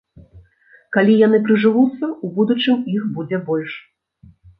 Калі яны прыжывуцца, у будучым іх будзе больш.